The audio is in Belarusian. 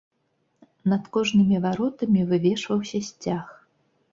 Над кожнымі варотамі вывешваўся сцяг.